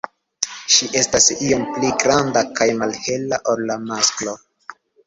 Ŝi estas iom pli granda kaj malhela ol la masklo.